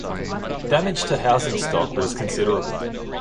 Damage to housing stock was considerable.